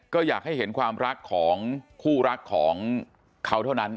ก็อยากให้เห็นความรักของคู่รักของเขาเท่านั้น